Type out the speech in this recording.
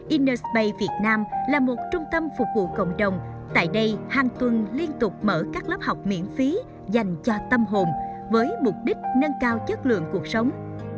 inner space việt nam là một trung tâm phục vụ cộng đồng tại đây hàng tuần liên tục mở các lớp học miễn phí dành cho tâm hồn với mục đích nâng cao chất lượng cuộc sống